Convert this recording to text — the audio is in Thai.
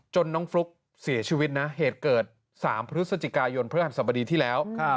น้องฟลุ๊กเสียชีวิตนะเหตุเกิด๓พฤศจิกายนพฤหัสสบดีที่แล้ว